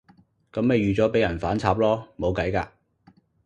噉咪預咗畀人反插囉，冇計㗎